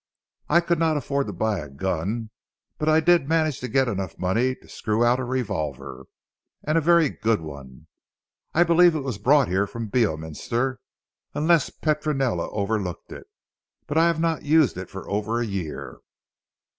I could not afford to buy a gun, but I did manage to get enough money to screw out a revolver and a very good one. I believe it was brought here from Beorminster, unless Petronella overlooked it. But I have not used it for over a year.